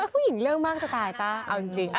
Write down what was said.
เรื่องมากจะตายป่ะเอาจริง